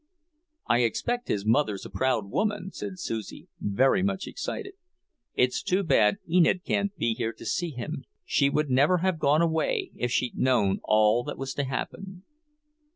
"I expect his mother's a proud woman," said Susie, very much excited. "It's too bad Enid can't be here to see him. She would never have gone away if she'd known all that was to happen."